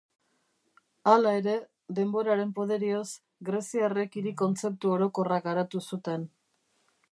Hala ere, denboraren poderioz, greziarrek hiri-kontzeptu orokorra garatu zuten.